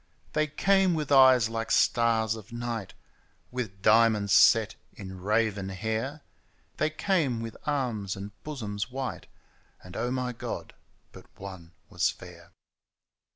They came with eyes like stars at night, With diamonds set in raven hair, They came with arms and bosoms white — And, Oh my Qod ! but one was fair